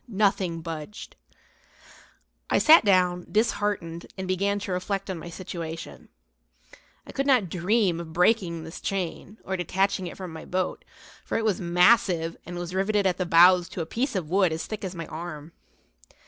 Nothing budged. I sat down, disheartened, and began to reflect on my situation. I could not dream of breaking this chain, or detaching it from the boat, for it was massive and was riveted at the bows to a piece of wood as thick as my arm.